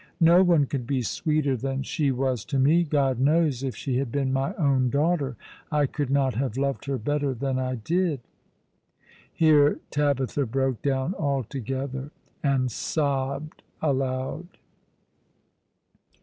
No one could be sweeter than she was to me. God knows, if she had been my own daughter I could not have loved her better than I did." Here Tabitha broke down altogether, and sobbed aloud.